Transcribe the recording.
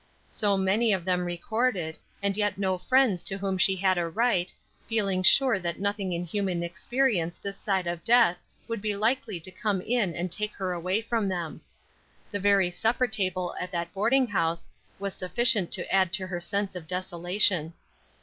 So many of them recorded, and yet no friends to whom she had a right, feeling sure that nothing in human experience this side of death would be likely to come in and take her away from them. The very supper table at that boarding house was sufficient to add to her sense of desolation.